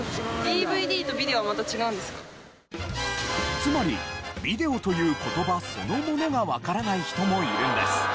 つまりビデオという言葉そのものがわからない人もいるんです。